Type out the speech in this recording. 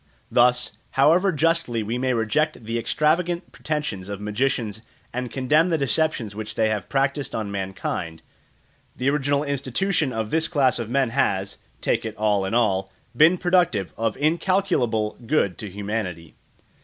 Thus, however justly we may reject the extravagant pretensions of magicians and condemn the deceptions which they have practised on mankind, the original institution of this class of men has, take it all in all, been productive of incalculable good to humanity.